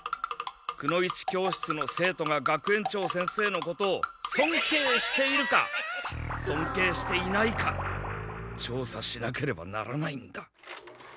くの一教室の生徒が学園長先生のことをそんけいしているかそんけいしていないか調査しなければならないんだ。